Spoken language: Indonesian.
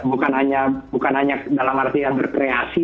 bukan hanya dalam arti yang berkreasi